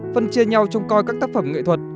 phân chia nhau trong coi các tác phẩm nghệ thuật